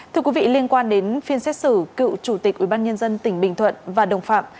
thưa quý vị liên quan đến phiên xét xử cựu chủ tịch ubnd tỉnh bình thuận và đồng phạm